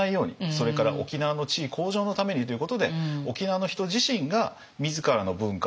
それから沖縄の地位向上のためにということで沖縄の人自身が自らの文化をどんどんどんどん捨てていったという。